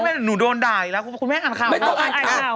แต่ละหนูโดนด่าอีกแล้วคุณแม่งอ่านข่าว